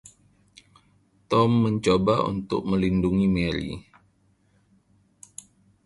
Tom mencoba untuk melindungi Mary.